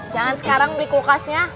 jangan sekarang beli kulkasnya